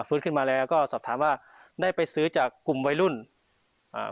ฟื้นขึ้นมาแล้วก็สอบถามว่าได้ไปซื้อจากกลุ่มวัยรุ่นอ่า